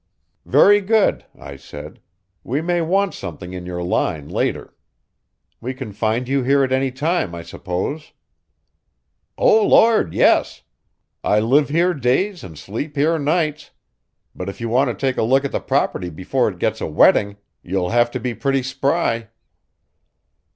"Very good," I said. "We may want something in your line later. We can find you here at any time, I suppose." "O Lord, yes. I live here days and sleep here nights. But if you want to take a look at the property before it gets a wetting you'll have to be pretty spry."